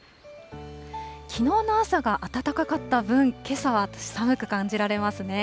きのうの朝が暖かった分、けさは寒く感じられますね。